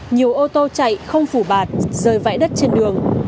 nhiều ô tô chạy không phủ bạt rơi vãi đất trên đường